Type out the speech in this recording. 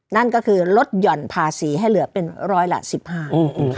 นั่นก็คือลดหย่อนภาษีให้เหลือเป็นร้อยละสิบห้า